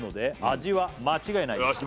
「味は間違いないです」